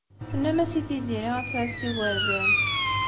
Tennam-as i Tiziri ad tɛass igerdan.